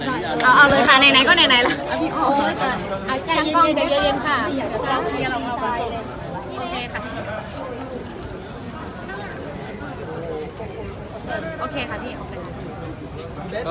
โดยเฉพาะเรื่องของกระทรวงเกษตรนะคะ